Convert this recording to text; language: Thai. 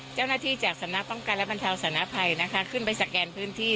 เจ้าหน้าที่จากสำนักป้องกันและบรรเทาสารภัยนะคะขึ้นไปสแกนพื้นที่